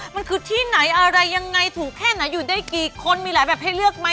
มันคือที่ไหนอะไรยังไงถูกแค่ไหนอยู่ได้กี่คนมีหลายแบบให้เลือกไหม